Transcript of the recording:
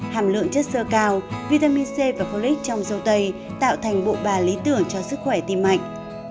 hàm lượng chất sơ cao vitamin c và polic trong dâu tây tạo thành bộ bà lý tưởng cho sức khỏe tim mạch